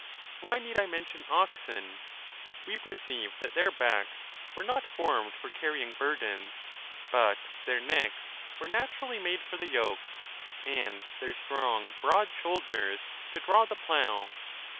Why need I men tion oxen ? We perceive that their backs were not form ed for carrying burdens, but their necks were naturally made for the yoke, and their strong broad shoulders to draw the plough.